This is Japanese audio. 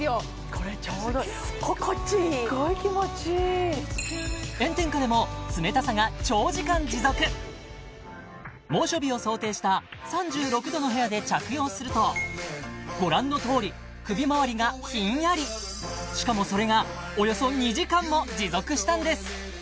これちょうどいい炎天下でも猛暑日を想定した３６度の部屋で着用するとご覧のとおり首まわりがひんやりしかもそれがおよそ２時間も持続したんです